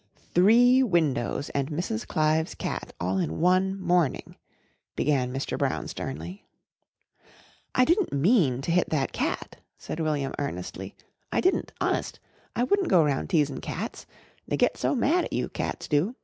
"Three windows and Mrs. Clive's cat all in one morning," began Mr. Brown sternly. "I didn't mean to hit that cat," said William earnestly. "I didn't honest. I wouldn't go round teasin' cats. They get so mad at you, cats do.